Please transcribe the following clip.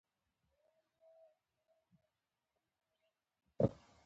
د زلمو یې لويي څوڼي نېک خویونه